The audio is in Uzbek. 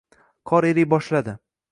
Qor eriy boshladi